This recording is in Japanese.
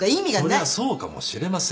それはそうかもしれませんよ。